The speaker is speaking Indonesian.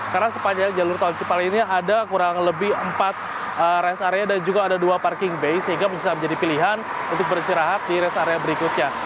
karena sepanjang jalan tol cipali ini ada kurang lebih empat rest area dan juga ada dua parking bay sehingga bisa menjadi pilihan untuk beristirahat di rest area berikutnya